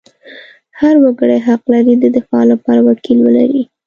هر وګړی حق لري د دفاع لپاره وکیل ولري.